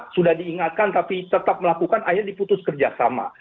sudah diingatkan tapi tetap melakukan akhirnya diputus kerjasama